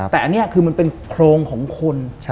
แต่อันนี้คือมันเป็นโครงของคน